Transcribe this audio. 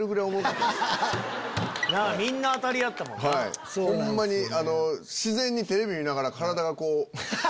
ホンマに自然にテレビ見ながら体がこう。